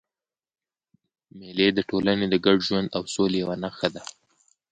مېلې د ټولني د ګډ ژوند او سولي یوه نخښه ده.